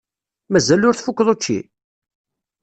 Mazal ur tfukkeḍ učči?